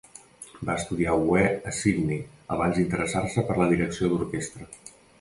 Va estudiar oboè a Sydney abans d'interessar-se per la direcció d'orquestra.